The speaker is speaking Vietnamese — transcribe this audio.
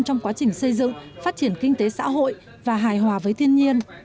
trong quá trình xây dựng phát triển kinh tế xã hội và hài hòa với thiên nhiên